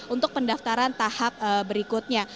untuk pendaftaran tahap berikutnya